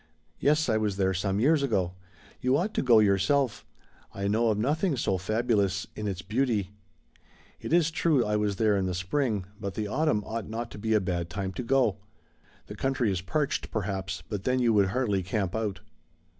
"Yes, I was there some years ago. You ought to go yourself. I know of nothing so fabulous in its beauty. It is true I was there in the spring, but the autumn ought not to be a bad time to go. The country is parched perhaps, but then you would hardly camp out."